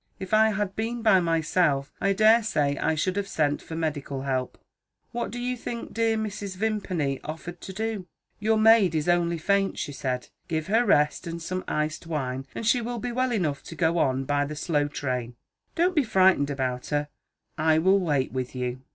If I had been by myself, I daresay I should have sent for medical help. What do you think dear Mrs. Vimpany offered to do? 'Your maid is only faint,' she said. 'Give her rest and some iced wine, and she will be well enough to go on by the slow train. Don't be frightened about her; I will wait with you.'